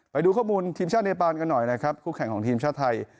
ไปดูข้อมูลทีมชาติเนปานกันหน่อยนะครับคู่แข่งของทีมชาติไทย